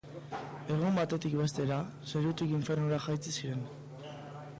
Egun batetik bestera, zerutik infernura jaitsi ziren.